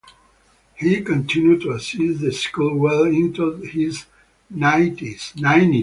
He continued to assist the school well into his nineties.